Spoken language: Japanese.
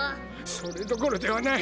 それどころではない！